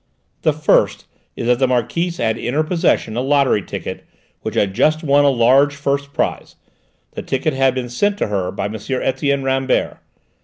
The first is that the Marquise had in her possession a lottery ticket which had just won a large first prize; this ticket had been sent to her by M. Etienne Rambert.